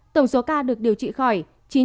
tổng số ca được điều trị khỏi